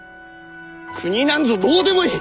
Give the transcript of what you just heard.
国なんぞどうでもいい！